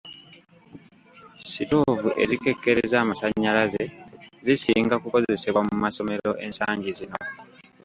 Sitoovu ezikekkereza amasannyalaze zisinga kukozesebwa mu masomero ensangi zino.